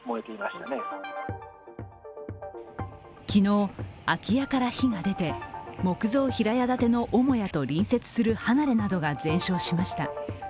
昨日、空き家から火が出て木造平屋建ての母屋と隣接する離れなどが全焼しました。